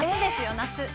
夏？